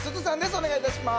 お願いいたします。